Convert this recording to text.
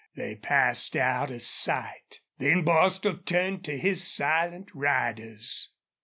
They passed out of sight. Then Bostil turned to his silent riders.